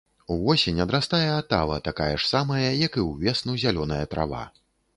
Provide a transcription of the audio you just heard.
Увосень адрастае атава такая ж самая, як і ўвесну зялёная трава.